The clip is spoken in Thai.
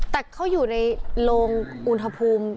แต่เขาอยู่ในโลงอุณหภูมิ